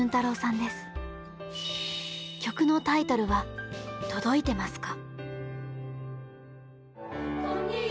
曲のタイトルは「とどいてますか」。